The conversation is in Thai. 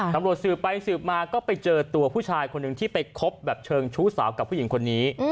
ตำรวจสืบไปสืบมาก็ไปเจอตัวผู้ชายคนหนึ่งที่ไปคบแบบเชิงชู้สาวกับผู้หญิงคนนี้